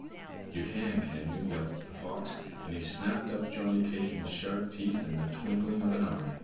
"You can, can you?" yelped the fox, and he snapped up the Johnny cake in his sharp teeth in the twinkling of an eye.